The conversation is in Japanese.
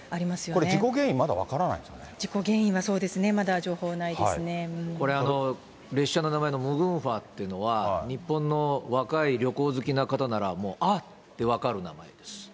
これ、事故原因、事故原因は、そうですね、まこれ、列車の名前のムグンファというのは、日本の若い旅行好きな方なら、もう、あっ！って分かる名前です。